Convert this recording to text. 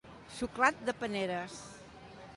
Xuclat de paneres.